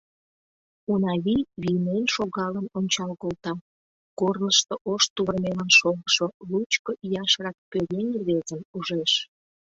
Унавий вийнен шогалын ончал колта, корнышто ош тувырмелын шогышо лучко ияшрак пӧръеҥ рвезым ужеш.